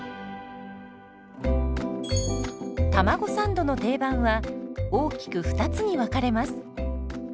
たまごサンドの定番は大きく２つに分かれます。